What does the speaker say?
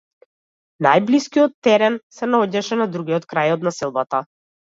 Најблискиот терен се наоѓаше на другиот крај од населбата.